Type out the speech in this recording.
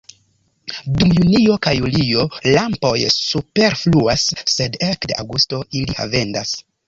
Dum junio kaj julio lampoj superfluas, sed ekde aŭgusto ili havendas.